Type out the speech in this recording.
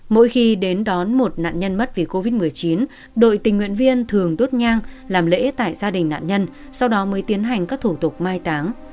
mỗi khi đến đón một nạn nhân mất vì covid một mươi chín đội tình nguyện viên thường đốt nhang làm lễ tại gia đình nạn nhân sau đó mới tiến hành các thủ tục mai táng